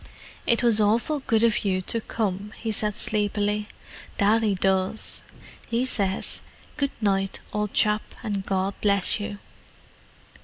"It was awful good of you to come," he said sleepily. "Daddy does. He says, 'Good night, old chap, and God bless you.